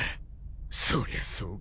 そりゃそうか。